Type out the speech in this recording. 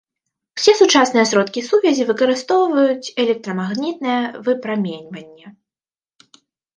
Усе сучасныя сродкі сувязі выкарыстоўваюць электрамагнітнае выпраменьванне.